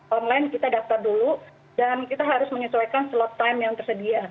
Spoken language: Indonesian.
online kita daftar dulu dan kita harus menyesuaikan slot time yang tersedia